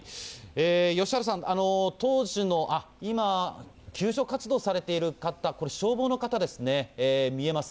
吉原さん、当時の、あっ、今、救助活動をされている方、これ、消防の方ですね、見えます。